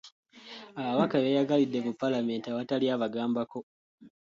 Ababaka beeyagalidde mu palamenti awatali abagambako.